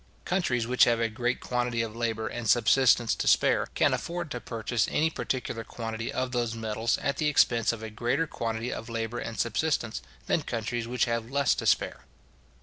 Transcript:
Countries which have a great quantity of labour and subsistence to spare, can afford to purchase any particular quantity of those metals at the expense of a greater quantity of labour and subsistence, than countries which have less to spare.